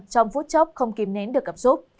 trong phút chốc không kìm nến được cảm xúc